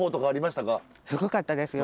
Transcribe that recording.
すごかったですよ。